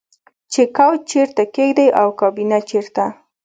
چې کوچ چیرته کیږدئ او کابینه چیرته